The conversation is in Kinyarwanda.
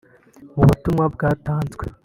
Mu butumwa bwatanzwe